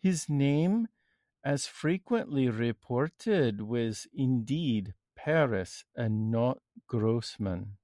His name, as frequently reported was, indeed, Paris and not Grossman.